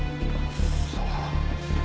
さあ。